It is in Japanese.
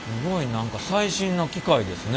何か最新な機械ですね。